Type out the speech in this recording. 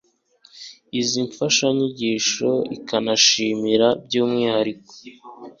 izi mfashanyigisho ikanashimira by'umwihariko